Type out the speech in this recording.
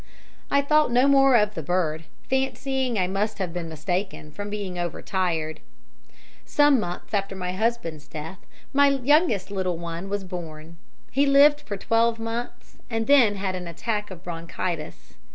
"I thought no more of the bird, fancying I must have been mistaken from being overtired. "Some months after my husband's death my youngest little one was born; he lived for twelve months, and then had an attack of bronchitis.